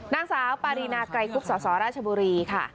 นางสาวปารีนาไกรคุบสสราชบุรีค่ะ